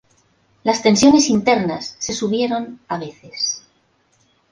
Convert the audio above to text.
Las tensiones internas se subieron a veces.